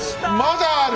まだある！